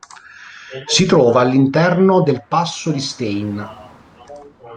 Si trova all'interno del Passo di Stein.